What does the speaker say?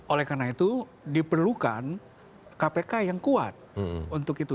oleh karena itu diperlukan kpk yang kuat untuk itu